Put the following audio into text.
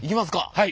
はい。